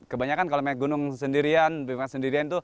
kebanyakan kalau main gunung sendirian pemandu sendirian itu